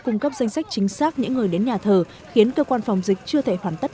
cung cấp danh sách chính xác những người đến nhà thờ khiến cơ quan phòng dịch chưa thể hoàn tất